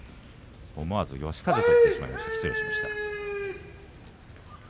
思わず嘉風と言ってしまいました失礼しました。